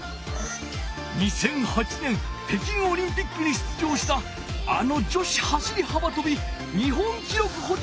２００８年北京オリンピックに出場したあの女子走り幅とび日本きろくほじ